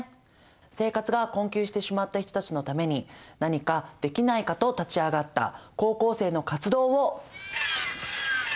生活が困窮してしまった人たちのために何かできないかと立ち上がった高校生の活動を。